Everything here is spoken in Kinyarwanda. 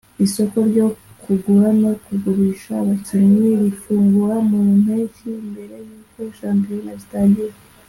isoko ryo kugura no kugurisha abakinnyi rifungura mu mpeshyi mbere y’uko shampiyona zitangira